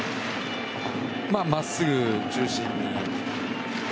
まっすぐ中心に。